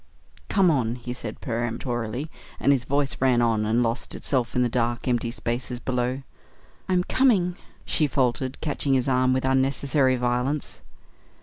"Come on!" he said peremptorily, and his voice ran on and lost itself in the dark, empty spaces below. "I'm coming," she faltered, catching his arm with unnecessary violence.